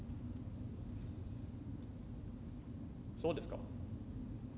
そうですか。